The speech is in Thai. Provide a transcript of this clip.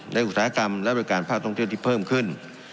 อุตสาหกรรมและบริการภาคท่องเที่ยวที่เพิ่มขึ้น